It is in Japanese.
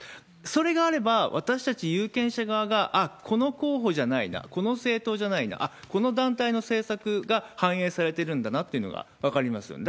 それがあれば、私たち有権者側が、ああ、この候補じゃないな、この政党じゃないな、あっ、この団体の政策が反映されているんだなというのが分かりますよね。